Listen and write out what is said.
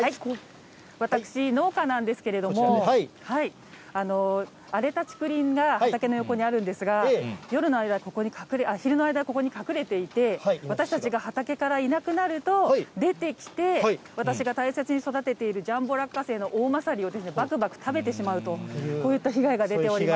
私、農家なんですけれども、荒れた竹林が、畑の横にあるんですが、昼の間、ここに隠れていて、私たちが畑からいなくなると出てきて、私が大切に育てているジャンボ落花生のおおまさりをばくばく食べてしまうと、こういった被害が出ております。